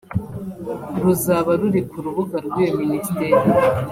ruzaba ruri ku rubuga rw’iyo Ministeri